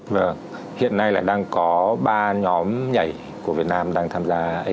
vâng hiện nay là đang có ba nhóm nhảy của việt nam đang tham gia asian ghost talent